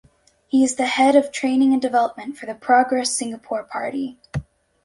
He is the head of training and development for the Progress Singapore Party.